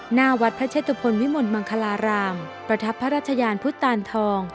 หน้าวัดพระเชตุพลวิมลมังคลารามประทับพระราชยานพุทธตานทอง